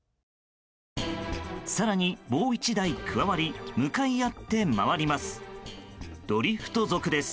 更に、もう１台加わり向かい合って回ります。